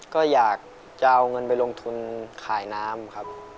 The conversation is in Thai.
ก็อยากจะเอาเงินไปลงทุนขายน้ำครับ